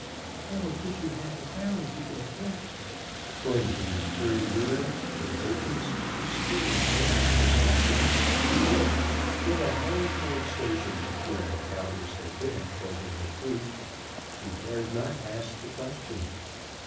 I will give you half a crown if you will go quick." For, indeed, her endurance, her patience, was strained almost to snapping; yet at Hellingford station, where doubtless they could have told her the truth, she dared not ask the question.